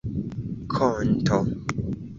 konto